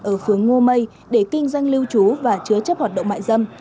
ở phướng ngô mây để kinh doanh lưu chú và chứa chấp hoạt động mại dâm